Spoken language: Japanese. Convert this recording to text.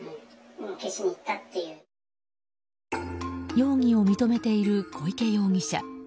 容疑を認めている小池容疑者。